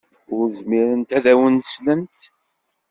Ur zmirent ad awen-slent.